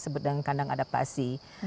sepedang kandang adaptasi